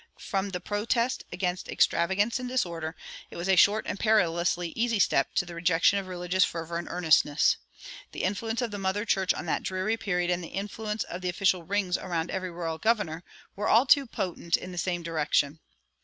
From the protest against extravagance and disorder, it was a short and perilously easy step to the rejection of religious fervor and earnestness. The influence of the mother church of that dreary period and the influence of the official rings around every royal governor were all too potent in the same direction.